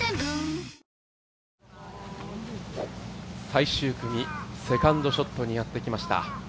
最終組、セカンドショットにやってきました。